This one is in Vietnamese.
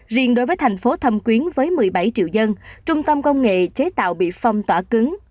riêng đối với thành phố thâm quyến với một mươi bảy triệu dân trung tâm công nghệ chế tạo bị phong tỏa cứng